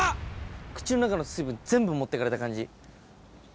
口の中の水分、全部持っていかれた感じ。